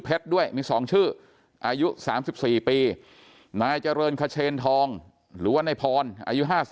ด้วยมี๒ชื่ออายุ๓๔ปีนายเจริญคเชนทองหรือว่านายพรอายุ๕๓